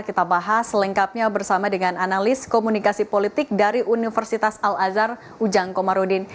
kita bahas selengkapnya bersama dengan analis komunikasi politik dari universitas al azhar ujang komarudin